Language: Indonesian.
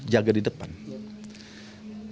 jadi kita mencari peluang